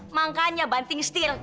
makanya banting setir